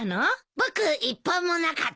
僕１本もなかったよ。